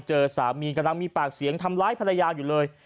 เจอสามีกำลังมีปากเสียงทำร้ายภรรยาอยู่เลย